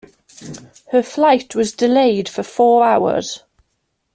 Her flight was delayed for four hours.